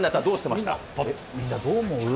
みんなどう思う？